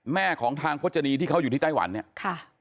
แม่ของทางพจนีที่เขาอยู่ที่ไต้หวันเนี่ยค่ะ